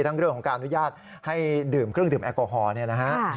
ทั้งเรื่องของการอนุญาตให้ดื่มเครื่องดื่มแอลกอฮอล์